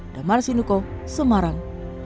dan marsi nukuh semarang